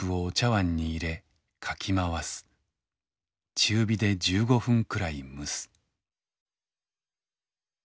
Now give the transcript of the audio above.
中火で１５分くらいむす」。